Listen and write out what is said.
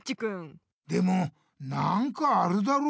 でもなんかあるだろ？